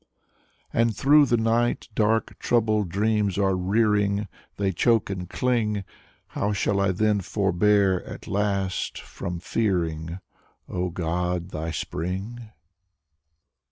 And through the night dark troubled dreams are rearing: They choke and cling. How shall I then forbear a^* last from fearing, Oh, God, thy Spring?